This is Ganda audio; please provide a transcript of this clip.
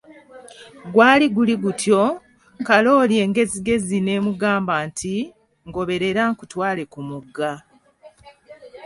Gwali guli gutyo, Kalooli engezigezi n'emugamba nti, ngoberera nkutwale ku mugga .